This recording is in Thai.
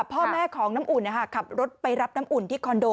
พ่อแม่ของน้ำอุ่นขับรถไปรับน้ำอุ่นที่คอนโด